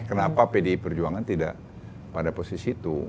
kenapa pdi perjuangan tidak pada posisi itu